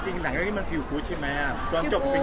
ตอนจบเกี่ยวกับคีวฟู๊ดใช่มั้ยอะ